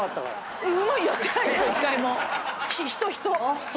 人人。